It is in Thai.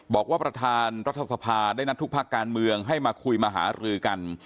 บอกว่าประธานรัฐสภาได้นัดทุกภาคการเมืองให้มาคุยมาหารือกัน